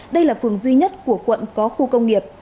đây là phường duy nhất của quận có khu công nghiệp